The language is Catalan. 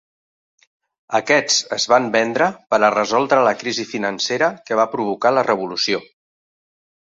Aquests es van vendre per a resoldre la crisi financera que va provocar la Revolució.